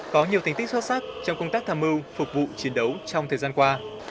có nhiều thành tích xuất sắc trong công tác tham mưu phục vụ chiến đấu trong thời gian qua